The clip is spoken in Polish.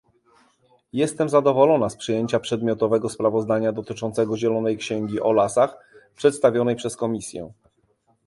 Jestem zadowolona z przyjęcia przedmiotowego sprawozdania dotyczącego zielonej księgi o lasach przedstawionej przez Komisję